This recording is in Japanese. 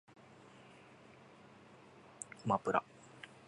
あまぷら